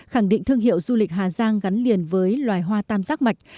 khẳng định thương hiệu du lịch hà giang gắn liền với loài hoa tam giác mạch